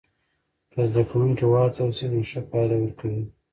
که زده کوونکي وهڅول سی نو ښه پایله ورکوي.